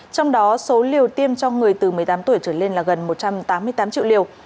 trong đó số liều tiêm cho người từ một mươi tám tuổi trở lên là gần một trăm tám mươi tám triệu liều